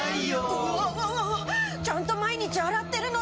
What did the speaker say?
うわわわわちゃんと毎日洗ってるのに。